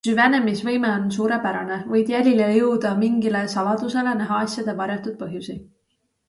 Süvenemisvõime on suurepärane, võid jälile jõuda mingile saladusele, näha asjade varjatud põhjusi.